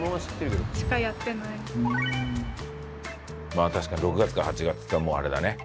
まあ確かに６月から８月っつったらもうあれだね。